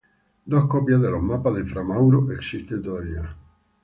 Dos copias de los mapas de Fra Mauro existen todavía.